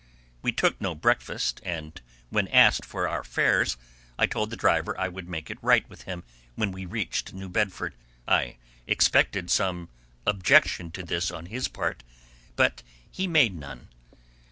We took no breakfast, and, when asked for our fares, I told the driver I would make it right with him when we reached New Bedford. I expected some objection to this on his part, but he made none.